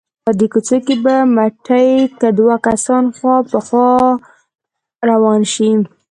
په دې کوڅو کې په مټې که دوه کسان خوا په خوا روان شي.